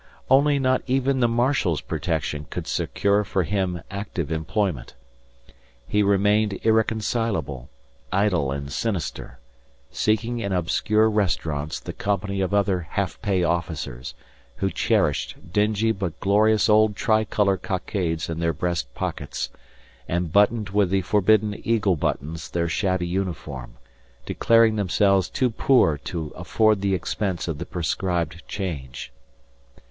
Only not even the marshal's protection could secure for him active employment. He remained irreconcilable, idle and sinister, seeking in obscure restaurants the company of other half pay officers, who cherished dingy but glorious old tricolour cockades in their breast pockets, and buttoned with the forbidden eagle buttons their shabby uniform, declaring themselves too poor to afford the expense of the prescribed change.